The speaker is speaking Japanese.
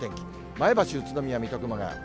前橋、宇都宮、水戸、熊谷。